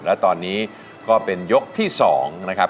และตอนนี้ก็เป็นยกที่๒นะครับ